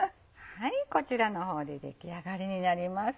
こちらの方で出来上がりになります。